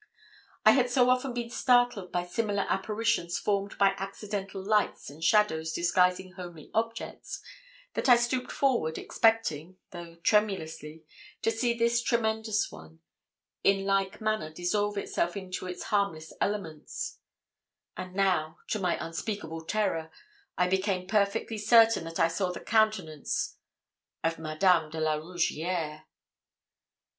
I had so often been startled by similar apparitions formed by accidental lights and shadows disguising homely objects, that I stooped forward, expecting, though tremulously, to see this tremendous one in like manner dissolve itself into its harmless elements; and now, to my unspeakable terror, I became perfectly certain that I saw the countenance of Madame de la Rougierre.